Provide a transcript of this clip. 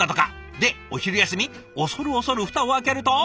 でお昼休み恐る恐るフタを開けると。